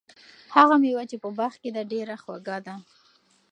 هغه مېوه چې په باغ کې ده، ډېره خوږه ده.